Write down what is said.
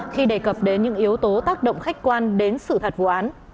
khi đề cập đến những yếu tố tác động khách quan đến sự thật vụ án